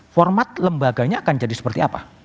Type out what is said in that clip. format lembaganya akan jadi seperti apa